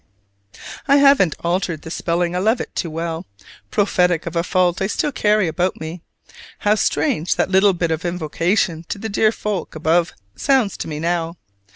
I haven't altered the spelling, I love it too well, prophetic of a fault I still carry about me. How strange that little bit of invocation to the dear folk above sounds to me now!